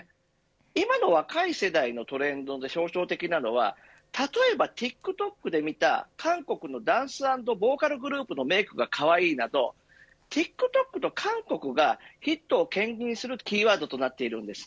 今の若い世代のトレンドで象徴的なのは例えば、ＴｉｋＴｏｋで見た韓国のダンス＆ボーカルグループのメークがかわいいなどＴｉｋＴｏｋと韓国がヒットをけん引するキーワードとなっているんです。